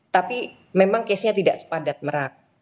tapi memang kesnya tidak sepadat merak